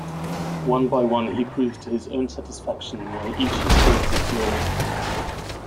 One by one he proves to his own satisfaction why each is fatally flawed.